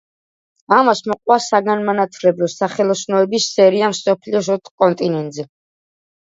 ამას მოჰყვა საგანმანათლებლო სახელოსნოების სერია მსოფლიოს ოთხ კონტინენტზე.